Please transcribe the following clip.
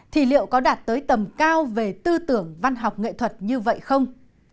thì liệu có đạt tới tầm cao về tư tưởng văn học nghệ thuật như vậy không